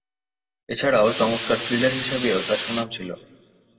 এছাড়াও চমৎকার ফিল্ডার হিসেবেও তার সুনাম ছিল।